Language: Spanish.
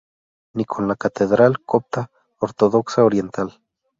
Ni con la catedral copta ortodoxa oriental.